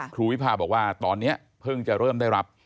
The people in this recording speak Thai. วิพาบอกว่าตอนนี้เพิ่งจะเริ่มได้รับ